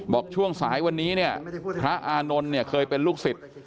ช่วงสายวันนี้เนี่ยพระอานนท์เนี่ยเคยเป็นลูกศิษย์